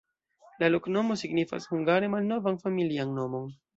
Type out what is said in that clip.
La loknomo signifas hungare malnovan familian nomon.